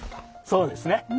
そうですね。